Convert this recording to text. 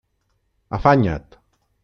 Afanya't!